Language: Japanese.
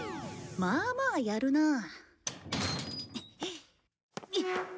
まあまあやるなあ。